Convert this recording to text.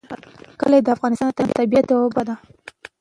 کلي د افغانستان د طبیعت یوه برخه ده.